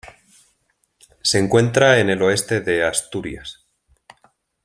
Se encuentra en el oeste de Asturias.